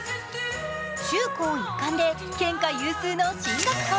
中高一貫で県下有数の進学校。